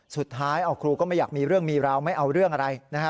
สุดท้ายครูก็ไม่อยากมีเรื่องมีราวไม่เอาเรื่องอะไรนะฮะ